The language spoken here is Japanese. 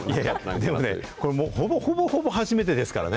でもね、ほぼほぼ初めてですからね。